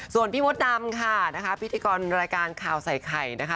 ส่วนพี่มดดำค่ะนะคะพิธีกรรายการข่าวใส่ไข่นะคะ